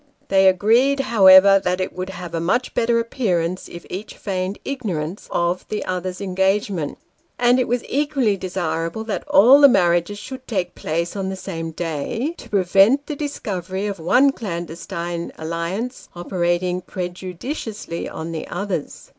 They agreed, however, that it would have a much better appearance if each feigned ignorance of the other's engagement ; and it was equally desirable that all the marriages should take place on the same day, to prevent the discovery of one clandestine alliance, operating prejudicially on the others.